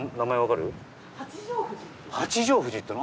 八丈富士っていうの？